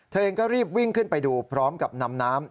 เธอเองก็รีบวิ่งขึ้นไปดูพร้อมกับนำน้ำ